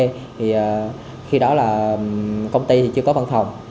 thì khi đó là công ty thì chưa có văn phòng